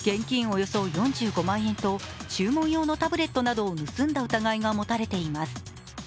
およそ４５万円と注文用のタブレットなどを盗んだ疑いが持たれています。